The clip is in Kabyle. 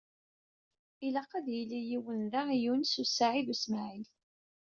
Ilaq ad yili yiwen da i Yunes u Saɛid u Smaɛil.